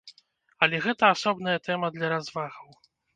Але гэта асобная тэма для развагаў.